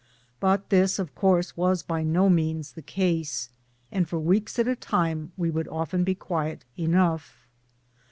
But this of course was by no means the case, and for weeks at a time we would often ibe quiet enough.